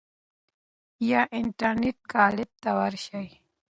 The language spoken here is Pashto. یا انټرنیټ کلب ته ورشئ.